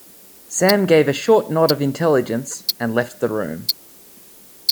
Sam gave a short nod of intelligence, and left the room.